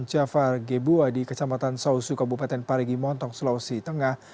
jafar gebua di kecamatan sausu kabupaten parigi montong sulawesi tengah